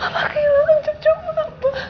ma kehilangan cucu mama